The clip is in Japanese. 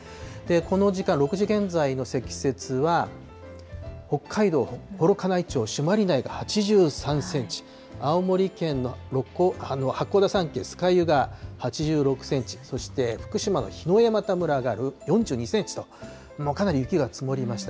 この時間、６時現在の積雪は、北海道幌加内町朱鞠内が８３センチ、青森県の八甲田山系酸ヶ湯が８６センチ、そして福島の桧枝岐村は４２センチと、かなり雪が積もりました。